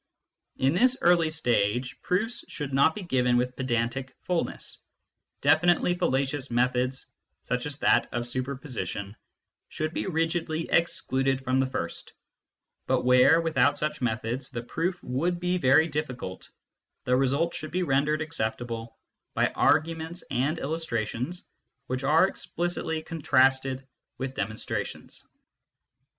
In this early stage proofs should not be given with pedantic fullness ; definitely fallacious methods, such as that of superposition, should be rigidly excluded from the first, but where, without such methods, the proof would be very difficult, the result should be rendered acceptable by arguments and illustrations which are explicitly contrasted with demon strations.